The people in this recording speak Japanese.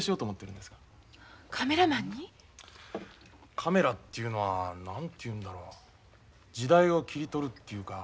カメラっていうのは何て言うんだろう時代を切り取るっていうか。